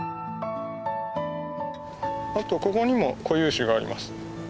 あとここにも固有種があります。